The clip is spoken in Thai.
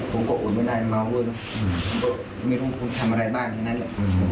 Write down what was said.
ผมก็ไม่ได้เมาเวิร์ดไม่รู้คุณทำอะไรบ้างอย่างนั้นแหละ